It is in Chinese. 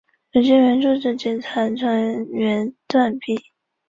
如今原址仅存残垣断壁。